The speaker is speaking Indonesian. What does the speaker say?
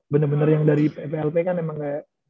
bener bener yang dari plt kan emang kayak